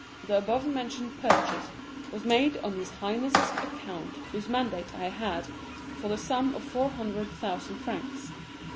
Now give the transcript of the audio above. The above mentioned purchase was made on his highness's account, whose mandate I had, for the sum of four hundred thousand francs.